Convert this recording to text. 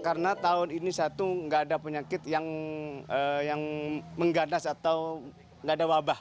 karena tahun ini satu tidak ada penyakit yang mengganas atau tidak ada wabah